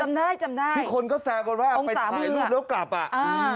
จำได้จำได้ที่คนก็แซมกันว่าองค์สามแล้วกลับอ่ะอ่า